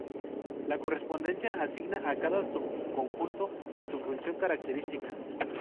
La correspondencia asigna a cada subconjunto de su función característica.